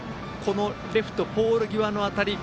レフトポール際の当たり。